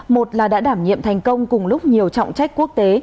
một là đã đảm nhiệm thành công cùng lúc nhiều trọng trách quốc tế